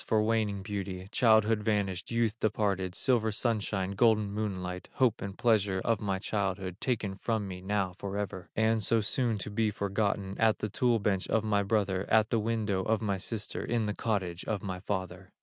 for waning beauty, Childhood vanished, youth departed, Silver sunshine, golden moonlight, Hope and pleasure of my childhood, Taken from me now forever, And so soon to be forgotten At the tool bench of my brother, At the window of my sister, In the cottage of my father."